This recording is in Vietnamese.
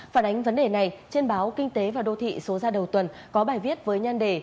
phản ánh vấn đề này trên báo kinh tế và đô thị số ra đầu tuần có bài viết với nhan đề